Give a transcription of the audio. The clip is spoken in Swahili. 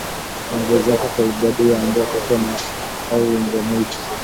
Kuongezeka kwa idadi ya mbwa koko au mbwa mwitu